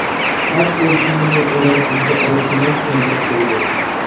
ھەق ئۆلچىمىنى ئۇلار سىزگە ئالدىرىماي چۈشەندۈرۈپ قويىدۇ.